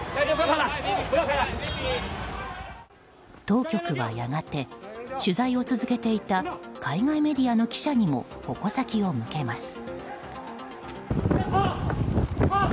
当局はやがて取材を続けていた海外メディアの記者にも矛先を向けます。